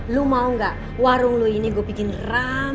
lo mau gak warung lo ini gue bikin rame